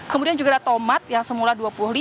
kemudian juga ada tomat yang semula dua puluh lima